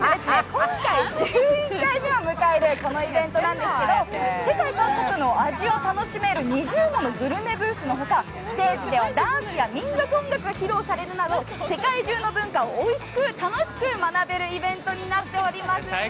今回１１回目を迎えるこのイベントなんですけれども世界各国の味を楽しめる２０ものグルメブースのほか、ステージではダンスや民族音楽が披露されるなど、世界中の文化をおいしく楽しく学べるイベントになっております。